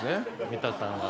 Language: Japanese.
三田さんが。